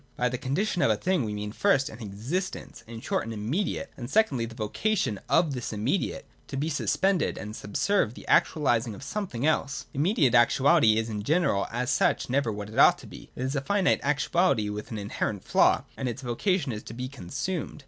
By the Condition of a thing we mean first, an existence, in short an immediate, and secondly the vocation of this im mediate to be suspended and subserve the actualising of something else. — Immediate actuality is in general as such never what it ought to be; it is a finite actuality with an inherent flaw, and its vocation is to be consumed.